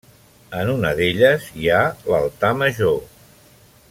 En una d'elles hi ha l'altar major.